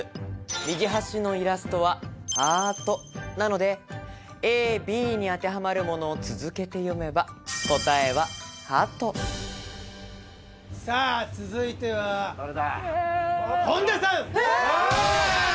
右端のイラストはハートなのでＡＢに当てはまるものを続けて読めば答えはハトいったれ！